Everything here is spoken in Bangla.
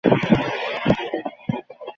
রাজবৈদ্য আসিয়া সন্দেহ প্রকাশ করিয়া গেল।